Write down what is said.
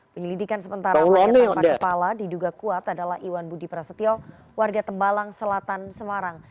penyelidikan sementara mayat tanpa kepala diduga kuat adalah iwan budi prasetyo warga tembalang selatan semarang